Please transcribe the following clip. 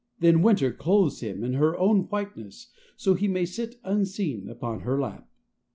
Then winter clothes him in her own whiteness so he may sit unseen upon her lap.